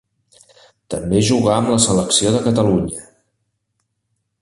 També jugà amb la selecció de Catalunya.